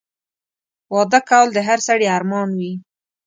واده کول د هر سړي ارمان وي